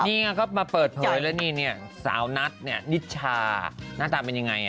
นี่ไงก็มาเปิดเผยแล้วนี่เนี่ยสาวนัทเนี่ยนิชชาหน้าตาเป็นยังไง